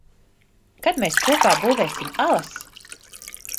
Kad mēs kopā būvēsim alas?